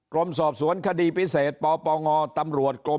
กรมสอบสวนคดีพิเศษปปงตำรวจกรม